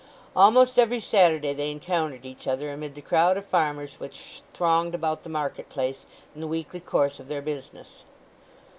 Almost every Saturday they encountered each other amid the crowd of farmers which thronged about the market place in the weekly course of their business.